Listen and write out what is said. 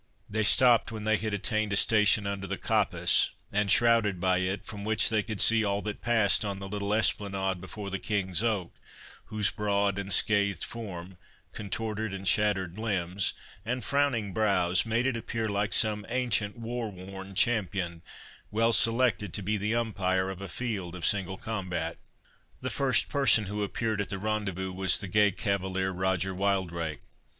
They stopped when they had attained a station under the coppice, and shrouded by it, from which they could see all that passed on the little esplanade before the King's Oak, whose broad and scathed form, contorted and shattered limbs, and frowning brows, made it appear like some ancient war worn champion, well selected to be the umpire of a field of single combat. The first person who appeared at the rendezvous was the gay cavalier Roger Wildrake.